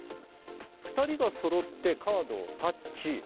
２人がそろってカードをタッチ。